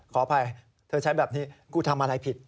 ขออภัยเธอใช้แบบนี้กูทำอะไรผิด